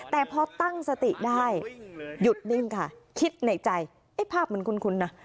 แต่พอตั้งสติได้หยุดนิ่งค่ะคิดในใจไอ้ภาพมันคุ้นนะ